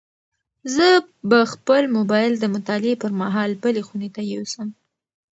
زه به خپل موبایل د مطالعې پر مهال بلې خونې ته یوسم.